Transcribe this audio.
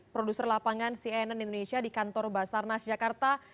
produser lapangan cnn indonesia di kantor basarnas jakarta